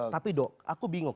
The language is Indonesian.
tapi dok aku bingung